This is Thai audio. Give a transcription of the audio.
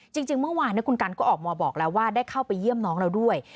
จริงเมื่อวานคุณกันก็ออกมาบอกแล้วว่าได้เข้าไปเยี่ยมน้องเราด้วย